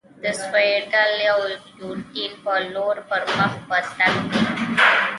د سیوایډل او یوډین په لور پر مخ په تګ دي.